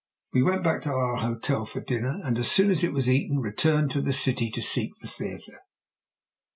We went back to our hotel for dinner, and as soon as it was eaten returned to the city to seek the theatre.